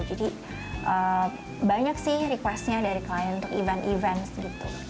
jadi banyak sih request nya dari klien untuk event event gitu